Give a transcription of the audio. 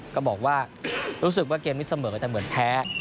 ก็บอกว่ารู้สึกว่าเกมนี้เสมอแต่เหมือนแพ้